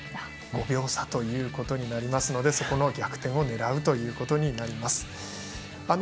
０．５秒差ということになりますのでそこの逆転を狙うということになります。